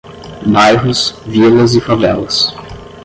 Bairros, vilas e favelas